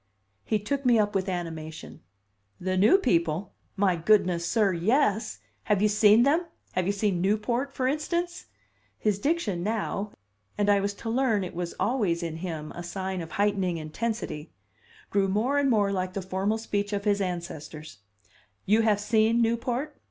He took me up with animation. "The new people! My goodness, sir, yes! Have you seen them? Have you seen Newport, for instance?" His diction now (and I was to learn it was always in him a sign of heightening intensity) grew more and more like the formal speech of his ancestors. "You have seen Newport?"